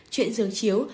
chuyện giường chiếu